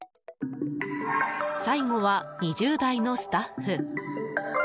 最後は２０代のスタッフ。